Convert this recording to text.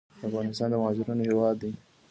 افغانستان د مهاجرینو هیواد دی